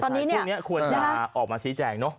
ทุกที่นี้ควรหาออกมาชี้แจ่งเนอะ